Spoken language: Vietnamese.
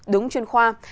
đúng chuyên khoa